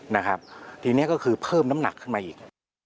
นะครับทีนี้ก็คือเพิ่มน้ำหนักขึ้นมาอีก